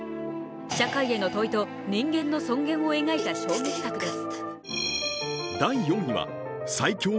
社会への問いと人間の尊厳を描いた衝撃作です。